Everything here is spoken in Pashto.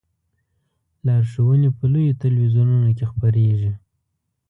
لارښوونې په لویو تلویزیونونو کې خپریږي.